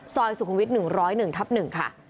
ซอยสุขวิท๑๐๑ทับ๑ค่ะ